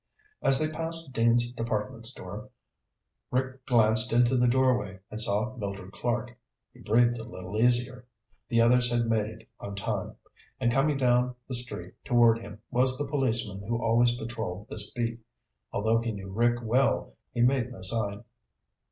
As they passed Dean's Department Store, Rick glanced into the doorway and saw Mildred Clark. He breathed a little easier. The others had made it on time. And coming down the street toward him was the policeman who always patrolled this beat. Although he knew Rick well, he made no sign.